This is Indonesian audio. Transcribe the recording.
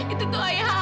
itu tuh ayah aku